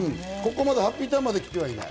ここまで、ハッピーターンまできていない。